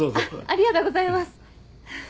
ありがとうございます。